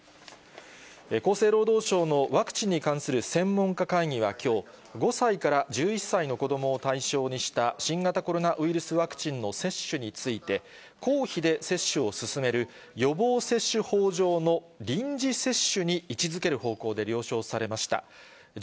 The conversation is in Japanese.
厚生労働省のワクチンに関する専門家会議はきょう、５歳から１１歳の子どもを対象にした新型コロナウイルスワクチンの接種について、公費で接種を進める予防接種法上の臨時接種に位置づける方向で了承されました。